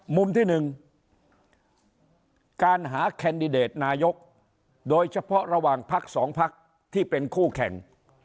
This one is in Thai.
มุมที่๑การหาแคนดิเดตนายกโดยเฉพาะระหว่างพักสองพักที่เป็นคู่แข่ง